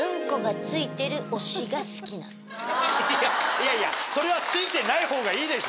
いやいやそれはついてないほうがいいでしょ。